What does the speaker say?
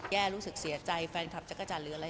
รู้สึกเสียใจแฟนคลับจักรจันทร์หรืออะไร